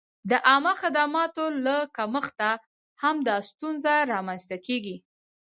د عامه خدماتو له کمښته هم دا ستونزه را منځته کېږي.